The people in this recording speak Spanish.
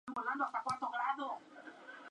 Tallos de postrados a erectos, foliosos.